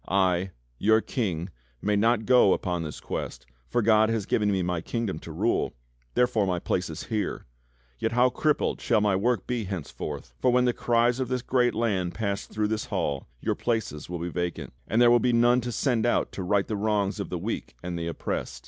^ I, your King, may not go upon this Quest, for God has given me my kingdom to rule, therefore my place is here. Yet how crippled shall my work be henceforth; for when the cries of this great land pass through this hall, your places will be vacant, and there will be none to send out to right the wrongs of the weak and the oppressed.